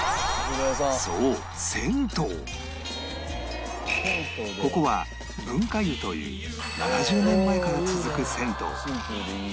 そうここは文化湯という７０年前から続く銭湯